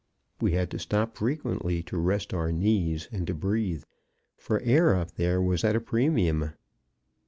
We had to stop frequently to rest our knees and to breathe, for air up there was at a premium.